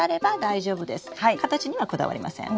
形にはこだわりません。